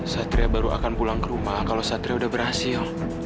satria baru akan pulang ke rumah kalau satria sudah berhasil